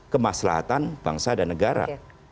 kemaslahatan bangsa dan negara